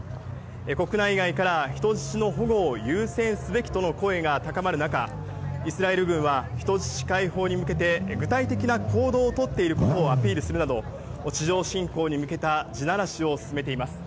国内外から人質の保護を優先すべきとの声が高まる中、イスラエル軍は人質解放に向けて具体的な行動をとっていることをアピールするなど地上侵攻に向けた地ならしを進めています。